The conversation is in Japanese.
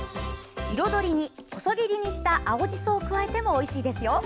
彩りに細切りにした青じそを加えてもおいしいですよ。